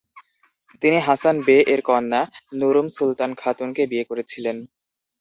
তিনি হাসান বে-এর কন্যা নুরুম সুলতান খাতুনকে বিয়ে করেছিলেন।